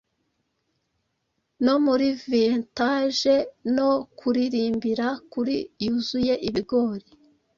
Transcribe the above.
No muri vintage no kuririmbira kuri yuzuye ibigori.